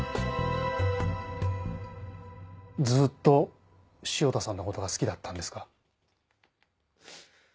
ずっと汐田さんの事が好きだったんですか？